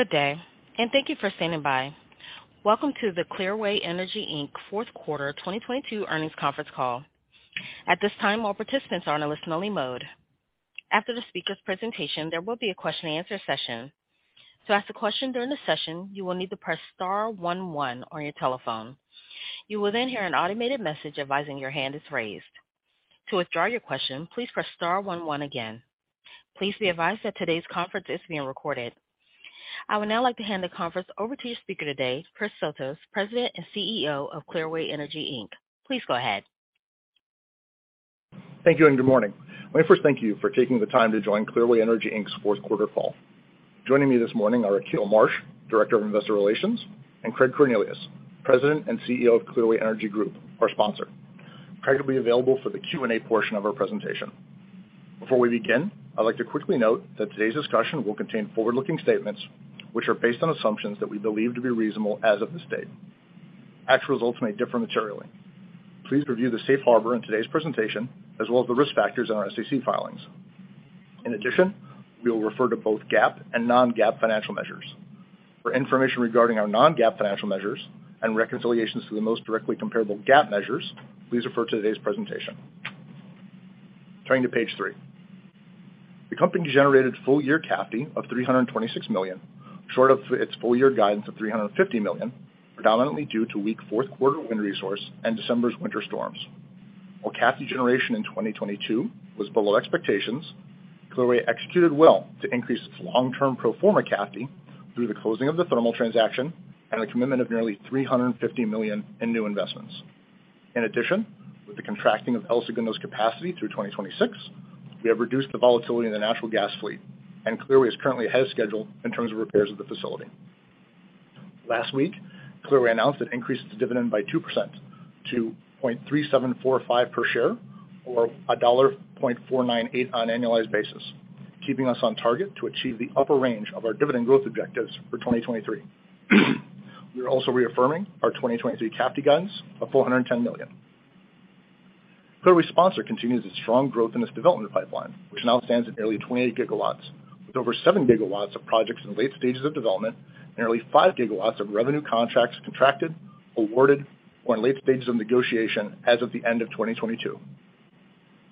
Good day, and thank you for standing by. Welcome to the Clearway Energy, Inc. fourth quarter 2022 earnings conference call. At this time, all participants are in a listen-only mode. After the speaker's presentation, there will be a question and answer session. To ask a question during the session, you will need to press star 11 on your telephone. You will then hear an automated message advising your hand is raised. To withdraw your question, please press star 11 again. Please be advised that today's conference is being recorded. I would now like to hand the conference over to your speaker today, Christopher Sotos, President and CEO of Clearway Energy, Inc. Please go ahead. Thank you, and good morning. Let me first thank you for taking the time to join Clearway Energy, Inc.'s fourth quarter call. Joining me this morning are Akil Marsh, Director of Investor Relations, and Craig Cornelius, President and CEO of Clearway Energy Group, our sponsor. Craig will be available for the Q&A portion of our presentation. Before we begin, I'd like to quickly note that today's discussion will contain forward-looking statements which are based on assumptions that we believe to be reasonable as of this date. Actual results may differ materially. Please review the Safe Harbor in today's presentation, as well as the risk factors in our SEC filings. In addition, we will refer to both GAAP and non-GAAP financial measures. For information regarding our non-GAAP financial measures and reconciliations to the most directly comparable GAAP measures, please refer to today's presentation. Turning to page 3. The company generated full year CAFD of $326 million, short of its full-year guidance of $350 million, predominantly due to weak fourth quarter wind resource and December's winter storms. While CAFD generation in 2022 was below expectations, Clearway executed well to increase its long-term pro forma CAFD through the closing of the thermal transaction and a commitment of nearly $350 million in new investments. With the contracting of El Segundo's capacity through 2026, we have reduced the volatility in the natural gas fleet, and Clearway is currently ahead of schedule in terms of repairs of the facility. Last week, Clearway announced it increased its dividend by 2% to $0.3745 per share, or $1.498 on annualized basis, keeping us on target to achieve the upper range of our dividend growth objectives for 2023. We are also reaffirming our 2023 CAFD guidance of $410 million. Clearway's sponsor continues its strong growth in its development pipeline, which now stands at nearly 28 GWs, with over 7 GWs of projects in late stages of development and nearly 5 GWs of revenue contracts contracted, awarded, or in late stages of negotiation as of the end of 2022.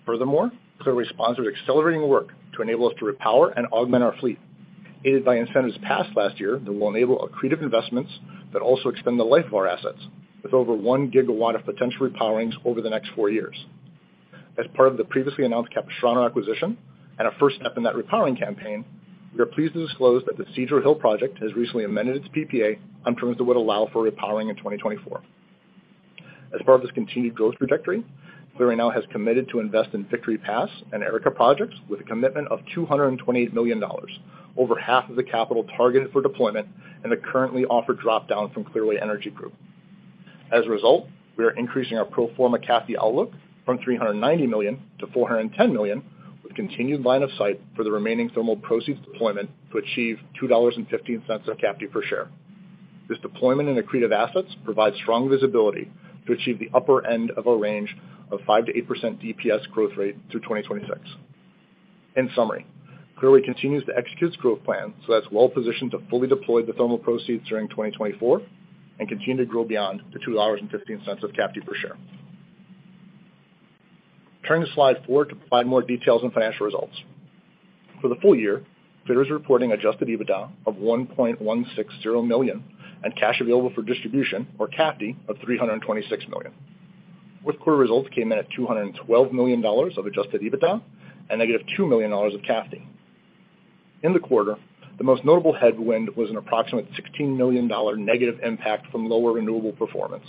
Furthermore, Clearway's sponsor is accelerating work to enable us to repower and augment our fleet, aided by incentives passed last year that will enable accretive investments that also extend the life of our assets with over 1 GW of potential repowerings over the next 4 years. As part of the previously announced Capistrano acquisition and a first step in that repowering campaign, we are pleased to disclose that the Cedro Hill project has recently amended its PPA on terms that would allow for repowering in 2024. As part of this continued growth trajectory, Clearway now has committed to invest in Victory Pass and Arica projects with a commitment of $228 million, over half of the capital targeted for deployment and the currently offered drop-down from Clearway Energy Group. As a result, we are increasing our pro forma CAFD outlook from $390 million to $410 million, with continued line of sight for the remaining thermal proceeds deployment to achieve $2.15 of CAFD per share. This deployment in accretive assets provides strong visibility to achieve the upper end of a range of 5%-8% DPS growth rate through 2026. In summary, Clearway continues to execute its growth plan, that's well positioned to fully deploy the thermal proceeds during 2024 and continue to grow beyond the $2.15 of CAFD per share. Turning to slide 4 to provide more details on financial results. For the full year, Clearway's is reporting adjusted EBITDA of $1.160 million and cash available for distribution, or CAFD, of $326 million. Fourth quarter results came in at $212 million of adjusted EBITDA and negative $2 million of CAFD. In the quarter, the most notable headwind was an approximate $16 million negative impact from lower renewable performance.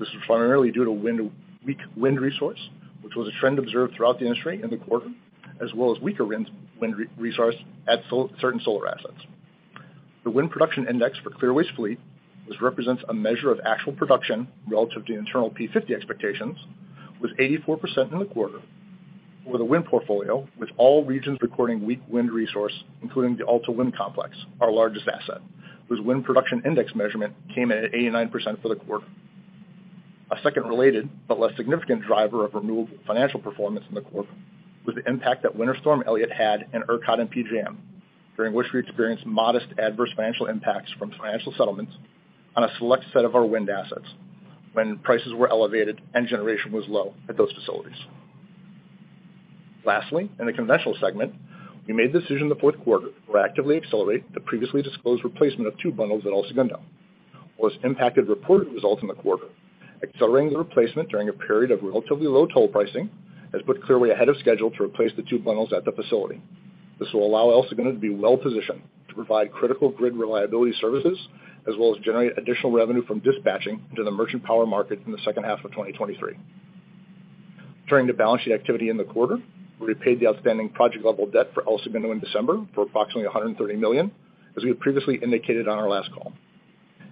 This was primarily due to weak wind resource, which was a trend observed throughout the industry in the quarter, as well as weaker wind resource at certain solar assets. The wind production index for Clearway's fleet, which represents a measure of actual production relative to internal P50 expectations, was 84% in the quarter for the wind portfolio, with all regions recording weak wind resource, including the Alta Wind Complex, our largest asset, whose wind production index measurement came in at 89% for the quarter. A second related but less significant driver of renewable financial performance in the quarter was the impact that Winter Storm Elliott had in ERCOT and PJM, during which we experienced modest adverse financial impacts from financial settlements on a select set of our wind assets when prices were elevated and generation was low at those facilities. Lastly, in the conventional segment, we made the decision in the fourth quarter to proactively accelerate the previously disclosed replacement of two bundles at El Segundo. While this impacted reported results in the quarter, accelerating the replacement during a period of relatively low toll pricing has put Clearway ahead of schedule to replace the two bundles at the facility. This will allow El Segundo to be well-positioned to provide critical grid reliability services as well as generate additional revenue from dispatching into the merchant power market in the second half of 2023. Turning to balance sheet activity in the quarter, we repaid the outstanding project level debt for El Segundo in December for approximately $130 million, as we had previously indicated on our last call.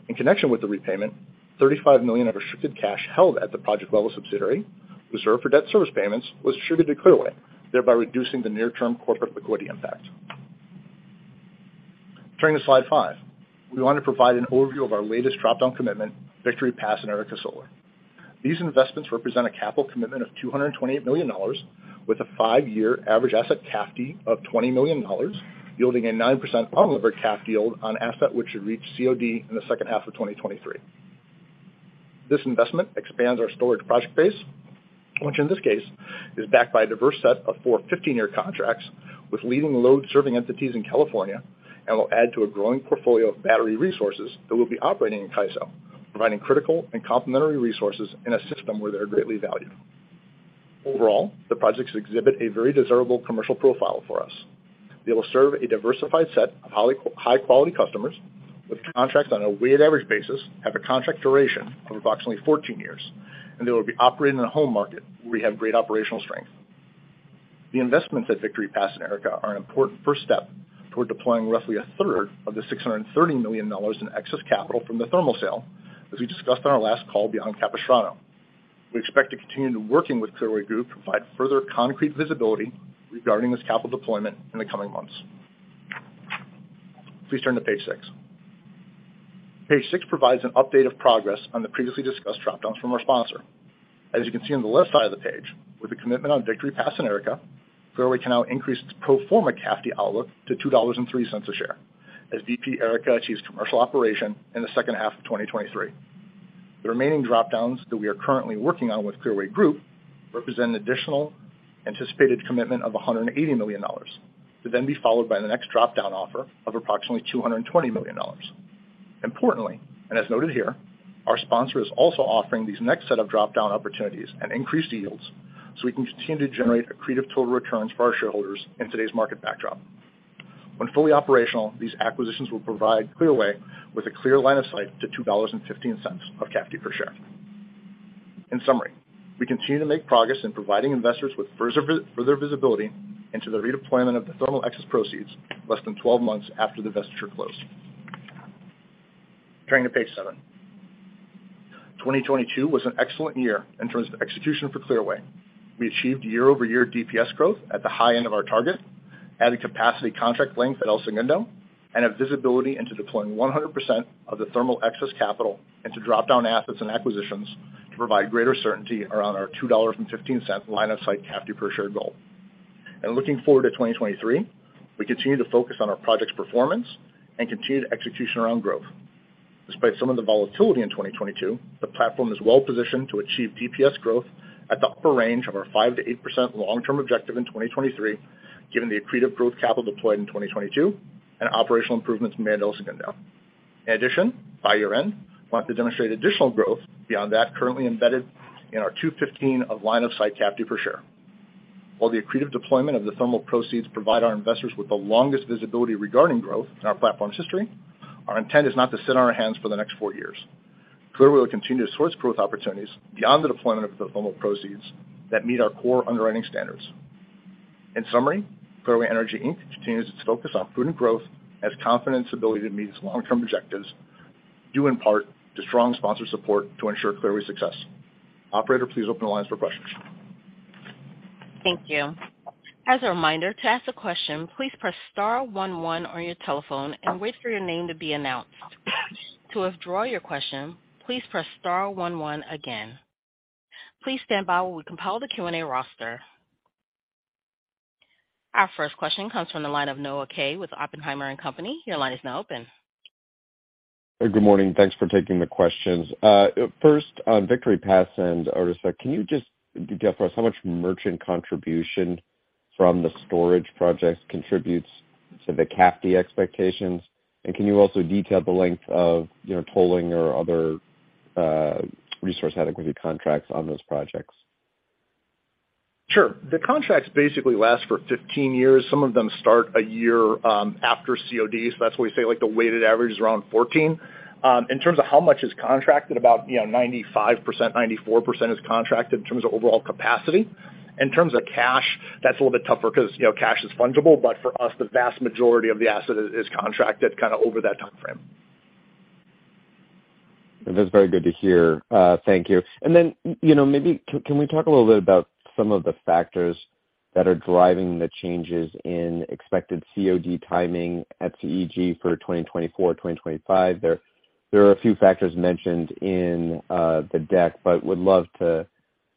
In connection with the repayment, $35 million of restricted cash held at the project level subsidiary reserved for debt service payments was distributed to Clearway, thereby reducing the near-term corporate liquidity impact. Turning to slide five, we want to provide an overview of our latest drop-down commitment, Victory Pass and Arica Solar. These investments represent a capital commitment of $228 million with a five-year average asset CAFD of $20 million, yielding a 9% unlevered CAFD yield on asset, which should reach COD in the second half of 2023. This investment expands our storage project base, which in this case is backed by a diverse set of 4 15-year contracts with leading load-serving entities in California and will add to a growing portfolio of battery resources that will be operating in CAISO, providing critical and complementary resources in a system where they're greatly valued. The projects exhibit a very desirable commercial profile for us. They will serve a diversified set of high-quality customers with contracts on a weighted average basis, have a contract duration of approximately 14 years. They will be operating in a home market where we have great operational strength. The investments at Victory Pass and Arica are an important first step toward deploying roughly a third of the $630 million in excess capital from the thermal sale, as we discussed on our last call beyond Capistrano. We expect to continue to working with Clearway Group to provide further concrete visibility regarding this capital deployment in the coming months. Please turn to page six. Page six provides an update of progress on the previously discussed drop-downs from our sponsor. As you can see on the left side of the page, with the commitment on Victory Pass and Arica, Clearway can now increase its pro forma CAFD outlook to $2.03 a share as VP Arica achieves commercial operation in the second half of 2023. The remaining drop-downs that we are currently working on with Clearway Group represent an additional anticipated commitment of $180 million, to then be followed by the next drop-down offer of approximately $220 million. Importantly, and as noted here, our sponsor is also offering these next set of drop-down opportunities at increased yields, so we can continue to generate accretive total returns for our shareholders in today's market backdrop. When fully operational, these acquisitions will provide Clearway with a clear line of sight to $2.15 of CAFD per share. In summary, we continue to make progress in providing investors with further visibility into the redeployment of the thermal excess proceeds less than 12 months after the vesture closed. Turning to page 7. 2022 was an excellent year in terms of execution for Clearway. We achieved year-over-year DPS growth at the high end of our target, adding capacity contract length at El Segundo, and have visibility into deploying 100% of the thermal excess capital into drop-down assets and acquisitions to provide greater certainty around our $2.15 line of sight CAFD per share goal. Looking forward to 2023, we continue to focus on our projects performance and continued execution around growth. Despite some of the volatility in 2022, the platform is well-positioned to achieve DPS growth at the upper range of our 5%-8% long-term objective in 2023, given the accretive growth capital deployed in 2022 and operational improvements made at El Segundo. In addition, by year-end, we want to demonstrate additional growth beyond that currently embedded in our $2.15 of line of sight CAFD per share. While the accretive deployment of the thermal proceeds provide our investors with the longest visibility regarding growth in our platform's history, our intent is not to sit on our hands for the next four years. Clearway will continue to source growth opportunities beyond the deployment of the thermal proceeds that meet our core underwriting standards. In summary, Clearway Energy Inc. continues its focus on prudent growth as confidence ability to meet its long-term objectives, due in part to strong sponsor support to ensure Clearway's success. Operator, please open the lines for questions. Thank you. As a reminder, to ask a question, please press star one one on your telephone and wait for your name to be announced. To withdraw your question, please press star one one again. Please stand by while we compile the Q&A roster. Our first question comes from the line of Noah Kaye with Oppenheimer & Co. Inc. Your line is now open. Good morning. Thanks for taking the questions. First on Victory Pass and O, can you just detail for us how much merchant contribution from the storage projects contributes to the CAFD expectations? Can you also detail the length of, you know, tolling or other resource adequacy contracts on those projects? Sure. The contracts basically last for 15 years. Some of them start a year after COD, so that's why we say, like, the weighted average is around 14. In terms of how much is contracted, about, you know, 95%, 94% is contracted in terms of overall capacity. In terms of cash, that's a little bit tougher 'cause, you know, cash is fungible. For us, the vast majority of the asset is contracted kind of over that time frame. That's very good to hear. Thank you. you know, maybe can we talk a little bit about some of the factors that are driving the changes in expected COD timing at CEG for 2024, 2025? There are a few factors mentioned in the deck, but would love to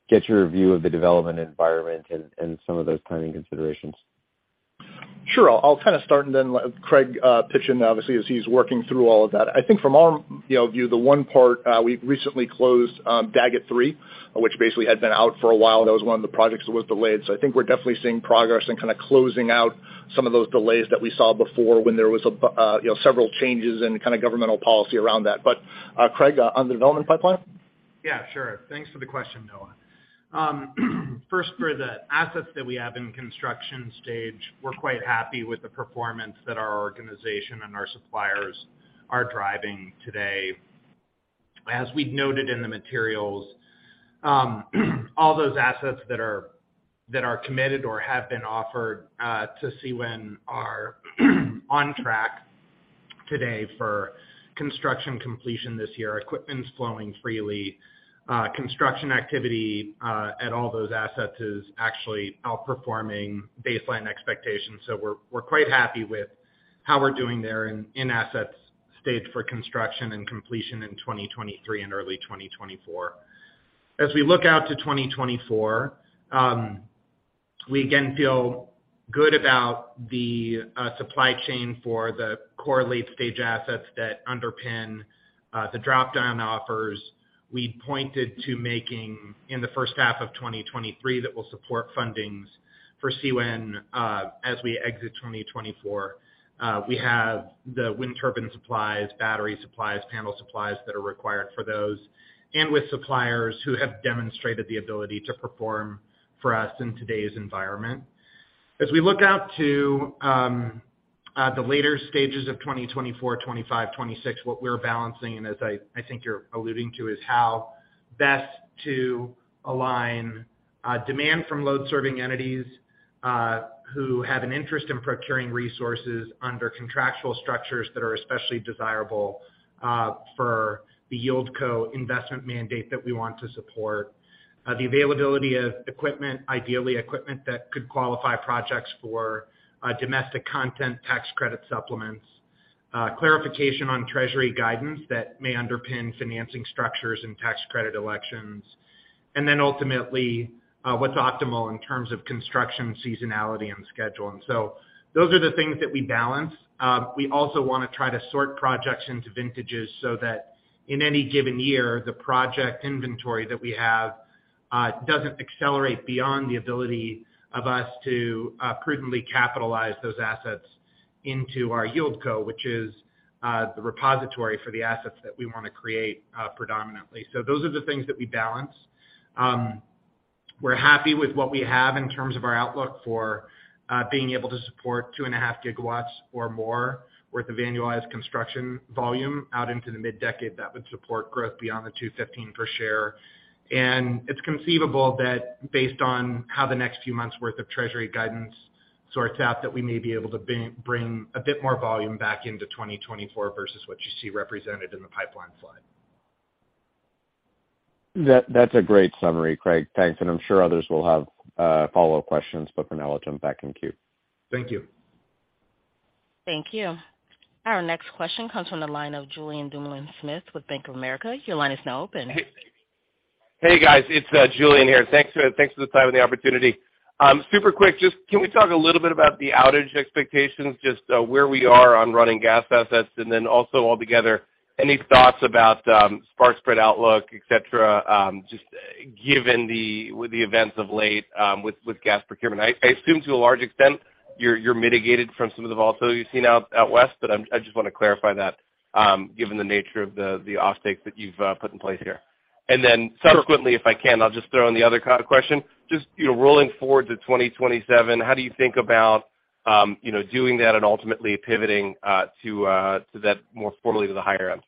get your view of the development environment and some of those timing considerations. Sure. I'll kind of start and then let Craig pitch in obviously, as he's working through all of that. I think from our, you know, view, the one part, we've recently closed Daggett 3, which basically had been out for a while. That was one of the projects that was delayed. I think we're definitely seeing progress and kinda closing out some of those delays that we saw before when there was a, you know, several changes in kind of governmental policy around that. Craig, on the development pipeline? Yeah, sure. Thanks for the question, Noah. First, for the assets that we have in construction stage, we're quite happy with the performance that our organization and our suppliers are driving today. As we've noted in the materials, all those assets that are, that are committed or have been offered to CWEN are on track today for construction completion this year. Equipment's flowing freely. Construction activity at all those assets is actually outperforming baseline expectations. We're quite happy with. How we're doing there in assets stayed for construction and completion in 2023 and early 2024. As we look out to 2024, we again feel good about the supply chain for the core late-stage assets that underpin the drop-down offers we pointed to making in the first half of 2023 that will support fundings for CWEN as we exit 2024. We have the wind turbine supplies, battery supplies, panel supplies that are required for those and with suppliers who have demonstrated the ability to perform for us in today's environment. As we look out to the later stages of 2024, 25, 26, what we're balancing, and as I think you're alluding to, is how best to align demand from load-serving entities, who have an interest in procuring resources under contractual structures that are especially desirable for the YieldCo investment mandate that we want to support. The availability of equipment, ideally equipment that could qualify projects for domestic content tax credit supplements, clarification on treasury guidance that may underpin financing structures and tax credit elections, and then ultimately, what's optimal in terms of construction seasonality and scheduling. Those are the things that we balance. We also wanna try to sort projects into vintages so that in any given year, the project inventory that we have, doesn't accelerate beyond the ability of us to prudently capitalize those assets into our YieldCo, which is the repository for the assets that we wanna create, predominantly. Those are the things that we balance. We're happy with what we have in terms of our outlook for being able to support 2.5 GWs or more worth of annualized construction volume out into the mid-decade that would support growth beyond the $2.15 per share. It's conceivable that based on how the next few months worth of treasury guidance sorts out, that we may be able to bring a bit more volume back into 2024 versus what you see represented in the pipeline slide. That's a great summary, Craig. Thanks. I'm sure others will have follow-up questions, but for now, we'll jump back in queue. Thank you. Thank you. Our next question comes from the line of Julien Dumoulin-Smith with Bank of America. Your line is now open. Hey, guys, it's Julien here. Thanks for the time and the opportunity. Super quick, just can we talk a little bit about the outage expectations, just where we are on running gas assets, and then also altogether, any thoughts about spark spread outlook, et cetera, just given the events of late with gas procurement? I assume to a large extent you're mitigated from some of the volatility you've seen out West, but I just wanna clarify that, given the nature of the off-takes that you've put in place here. Subsequently, if I can, I'll just throw in the other question. Just, you know, rolling forward to 2027, how do you think about, you know, doing that and ultimately pivoting, to that more formally to the higher end?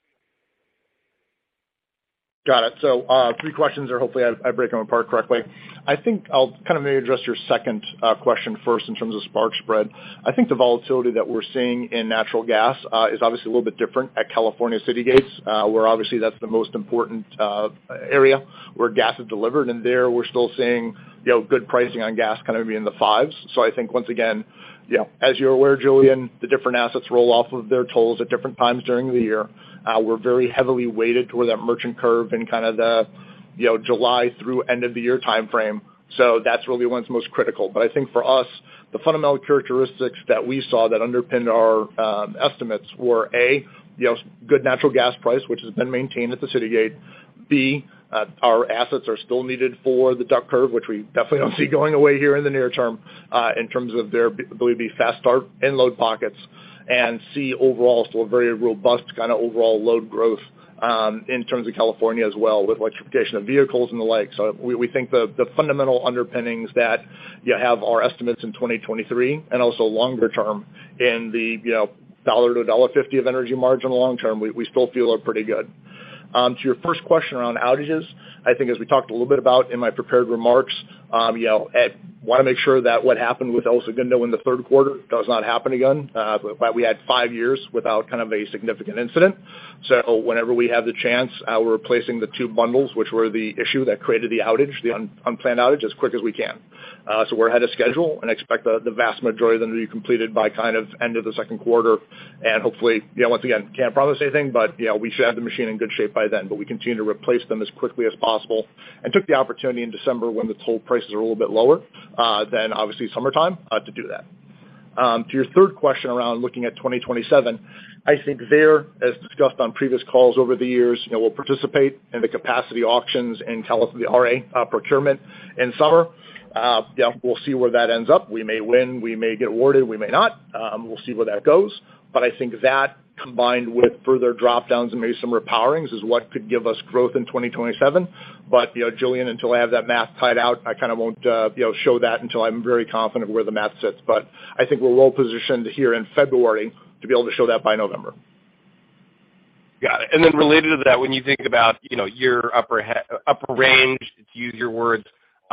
Got it. Three questions or hopefully I break them apart correctly. I think I'll kind of maybe address your second question first in terms of spark spread. I think the volatility that we're seeing in natural gas is obviously a little bit different at California city gates, where obviously that's the most important area where gas is delivered. There we're still seeing, you know, good pricing on gas kind of be in the fives. I think once again, you know, as you're aware, Julien, the different assets roll off of their tolls at different times during the year. We're very heavily weighted toward that merchant curve in kind of the, you know, July through end of the year timeframe. That's really when it's most critical. I think for us, the fundamental characteristics that we saw that underpinned our estimates were, A, you know, good natural gas price, which has been maintained at the city gate. B, our assets are still needed for the duck curve, which we definitely don't see going away here in the near term, in terms of their believe fast start and load pockets. C, overall, still a very robust kind of overall load growth, in terms of California as well with electrification of vehicles and the like. We think the fundamental underpinnings that you have our estimates in 2023 and also longer term in the, you know, $1 to $1.50 of energy margin long term, we still feel are pretty good. To your first question around outages, I think as we talked a little bit about in my prepared remarks, you know, wanna make sure that what happened with El Segundo in the third quarter does not happen again. We had five years without kind of a significant incident. Whenever we have the chance, we're replacing the two bundles, which were the issue that created the outage, the unplanned outage as quick as we can. We're ahead of schedule and expect the vast majority of them to be completed by kind of end of the second quarter. Hopefully, you know, once again, can't promise anything, but you know, we should have the machine in good shape by then. We continue to replace them as quickly as possible and took the opportunity in December when the toll prices are a little bit lower than obviously summertime to do that. To your third question around looking at 2027, I think there, as discussed on previous calls over the years, you know, we'll participate in the capacity auctions and tell us the RA procurement in summer. Yeah, we'll see where that ends up. We may win, we may get awarded, we may not. We'll see where that goes. I think that combined with further drop-downs and maybe some repowerings is what could give us growth in 2027. You know, Julien, until I have that math tied out, I kind of won't show that until I'm very confident of where the math sits. I think we're well positioned here in February to be able to show that by November. Got it. Related to that, when you think about, you know, your upper range, to use your words,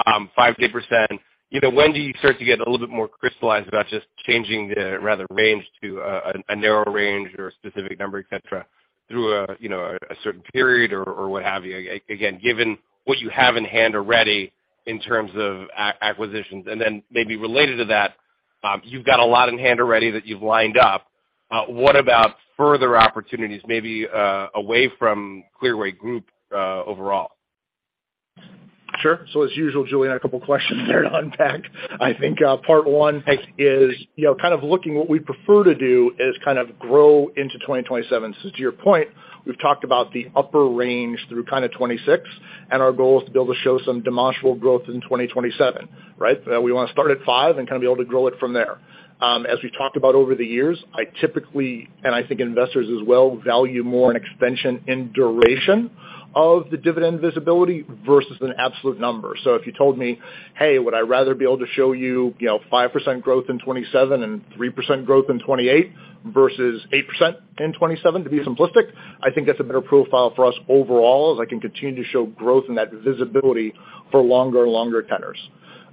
5%, 8%, you know, when do you start to get a little bit more crystallized about just changing the rather range to a narrow range or a specific number, etc, through a, you know, a certain period or what have you? Again, given what you have in hand already in terms of acquisitions. Maybe related to that You've got a lot in hand already that you've lined up. What about further opportunities, maybe, away from Clearway Group, overall? Sure. As usual, Julien, a couple questions there to unpack. I think, part one is, you know, kind of looking what we prefer to do is kind of grow into 2027. To your point, we've talked about the upper range through kinda 2026, and our goal is to be able to show some demonstrable growth in 2027, right? We wanna start at 5 and kinda be able to grow it from there. As we talked about over the years, I typically, and I think investors as well, value more an extension in duration of the dividend visibility versus an absolute number. If you told me, "Hey, would I rather be able to show you know, 5% growth in 2027 and 3% growth in 2028 versus 8% in 2027?" To be simplistic, I think that's a better profile for us overall, as I can continue to show growth in that visibility for longer and longer tenors.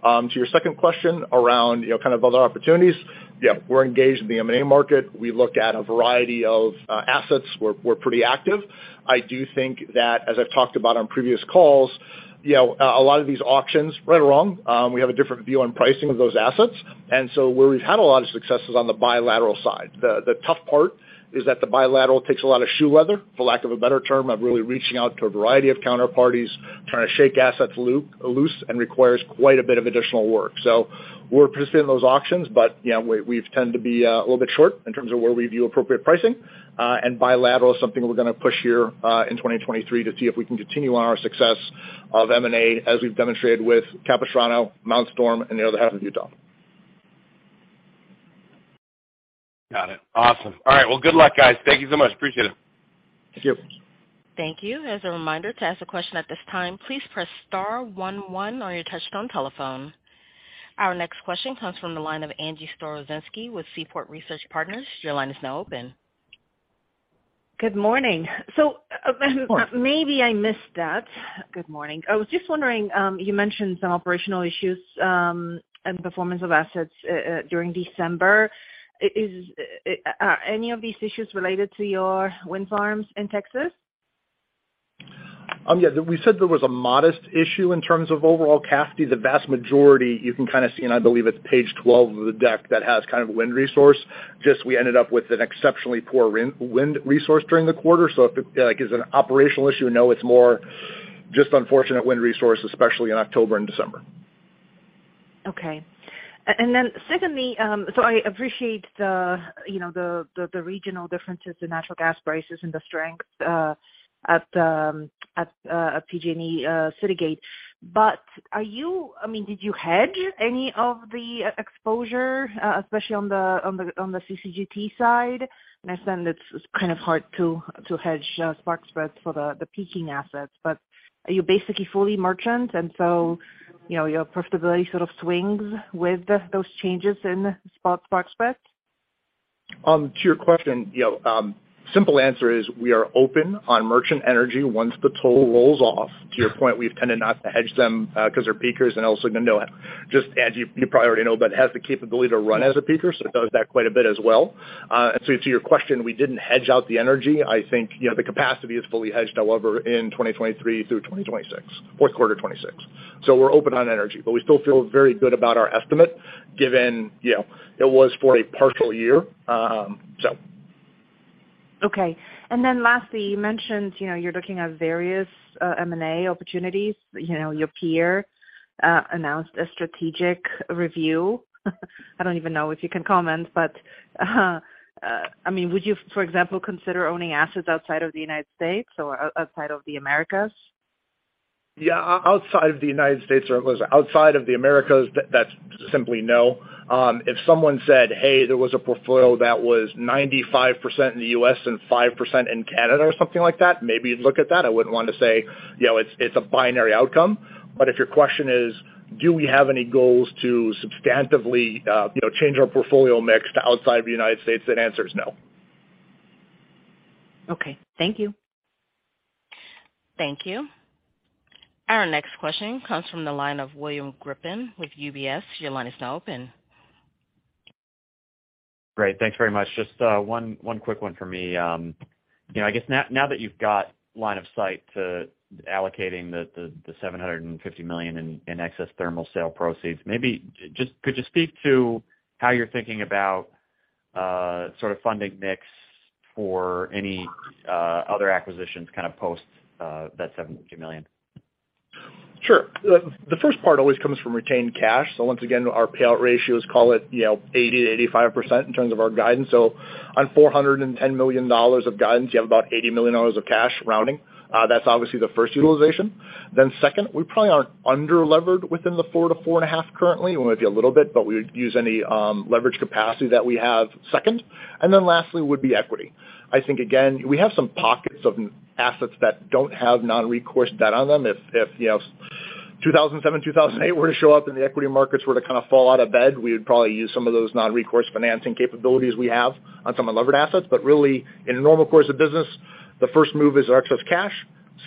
To your second question around, you know, kind of other opportunities, yeah, we're engaged in the M&A market. We look at a variety of assets. We're pretty active. I do think that, as I've talked about on previous calls, you know, a lot of these auctions, right or wrong, we have a different view on pricing of those assets. Where we've had a lot of success is on the bilateral side. The tough part is that the bilateral takes a lot of shoe leather, for lack of a better term, of really reaching out to a variety of counterparties, trying to shake assets loose and requires quite a bit of additional work. We're participating in those auctions, but, you know, we've tend to be a little bit short in terms of where we view appropriate pricing. Bilateral is something we're gonna push here in 2023 to see if we can continue on our success of M&A as we've demonstrated with Capistrano, Mount Storm, and the other half of Utah. Got it. Awesome. All right. Well, good luck, guys. Thank you so much. Appreciate it. Thank you. Thank you. As a reminder, to ask a question at this time, please press star one one on your touchtone telephone. Our next question comes from the line of Angie Storozynski with Seaport Research Partners. Your line is now open. Good morning. Good morning. Maybe I missed that. Good morning. I was just wondering, you mentioned some operational issues, and performance of assets during December. Are any of these issues related to your wind farms in Texas? Yeah. We said there was a modest issue in terms of overall capacity. The vast majority you can see, and I believe it's page 12 of the deck that has wind resource, we ended up with an exceptionally poor wind resource during the quarter. As an operational issue, no, it's more unfortunate wind resource, especially in October and December. Okay. Secondly, I appreciate the, you know, the regional differences in natural gas prices and the strength at PG&E city gates. Are you I mean, did you hedge any of the exposure especially on the CCGT side? I understand it's kind of hard to hedge spark spreads for the peaking assets. Are you basically fully merchant, you know, your profitability sort of swings with those changes in spot, spark spreads? To your question, you know, simple answer is we are open on merchant energy once the toll rolls off. To your point, we've tended not to hedge them, 'cause they're peakers and also to know, just Angie, you probably already know, but it has the capability to run as a peaker, so it does that quite a bit as well. To your question, we didn't hedge out the energy. I think, you know, the capacity is fully hedged, however, in 2023 through 2026, fourth quarter 26. We're open on energy. We still feel very good about our estimate given, you know, it was for a partial year. Okay. Lastly, you mentioned, you know, you're looking at various M&A opportunities. You know, your peer announced a strategic review. I don't even know if you can comment, but, I mean, would you, for example, consider owning assets outside of the United States or outside of the Americas? Yeah. Outside of the United States or outside of the Americas, that's simply no. If someone said, "Hey, there was a portfolio that was 95% in the U.S. and 5% in Canada," or something like that, maybe you'd look at that. I wouldn't want to say, you know, it's a binary outcome. If your question is, do we have any goals to substantively, you know, change our portfolio mix to outside the United States, the answer is no. Okay. Thank you. Thank you. Our next question comes from the line of William Grippin with UBS. Your line is now open. Great. Thanks very much. Just one quick one for me. You know, I guess now that you've got line of sight to allocating the $750 million in excess thermal sale proceeds, maybe just could you speak to how you're thinking about sort of funding mix for any other acquisitions kind of post that $750 million? Sure. The first part always comes from retained cash. Once again, our payout ratio is, call it, you know, 80%-85% in terms of our guidance. On $410 million of guidance, you have about $80 million of cash rounding. That's obviously the first utilization. Second, we probably aren't under-levered within the 4 to 4.5 currently. We wanna be a little bit, but we use any leverage capacity that we have second. Lastly would be equity. I think again, we have some pockets of assets that don't have non-recourse debt on them. If, you know, 2007, 2008 were to show up and the equity markets were to kind of fall out of bed, we would probably use some of those non-recourse financing capabilities we have on some unlevered assets. Really, in the normal course of business, the first move is our excess cash.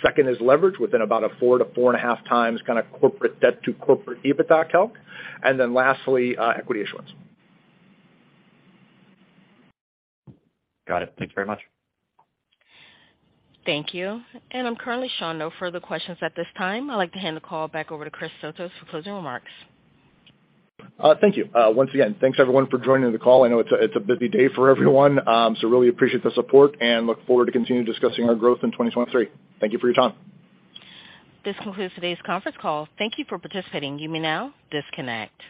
Second is leverage within about a 4x to 4.5x kind of corporate debt to corporate EBITDA calc. Lastly, equity issuance. Got it. Thank you very much. Thank you. I'm currently showing no further questions at this time. I'd like to hand the call back over to Christopher Sotos for closing remarks. Thank you. Once again, thanks everyone for joining the call. I know it's a busy day for everyone, so really appreciate the support and look forward to continue discussing our growth in 2023. Thank you for your time. This concludes today's conference call. Thank You for participating. You may now disconnect.